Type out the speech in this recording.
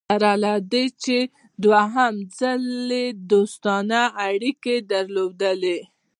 سره له دې چې دوهم ځل یې دوستانه اړیکي درلودې.